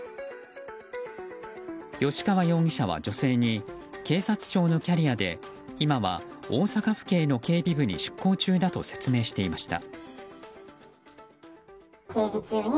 吉川容疑者は女性に警察庁のキャリアで今は大阪府警の警備部に出向中だと説明していました。